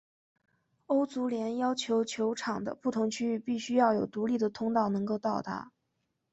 欧足联要求球场的不同区域必须要有独立的通道能够到达。